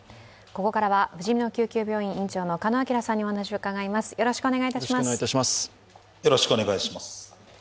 ここからはふじみの救急病院院長の鹿野晃さんにお話を伺います。